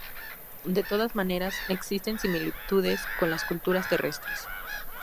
De todas maneras, existen similitudes con las culturas terrestres.